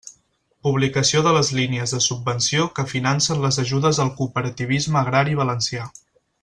Publicació de les línies de subvenció que financen les ajudes al cooperativisme agrari valencià.